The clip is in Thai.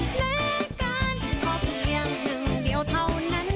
แผลกันพอเพียงหนึ่งเดียวเท่านั้น